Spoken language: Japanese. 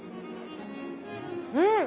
うん！